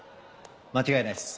間違いないっす。